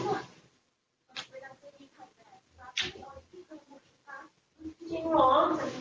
ท่านดูเฉ็คปะปันลุกมาก